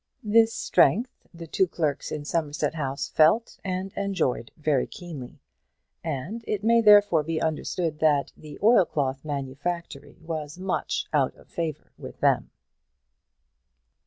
This strength the two clerks in Somerset House felt and enjoyed very keenly; and it may therefore be understood that the oilcloth manufactory was much out of favour with them.